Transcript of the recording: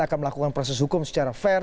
akan melakukan proses hukum secara fair